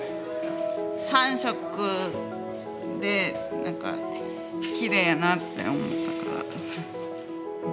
３色で何かきれいやなって思ったから。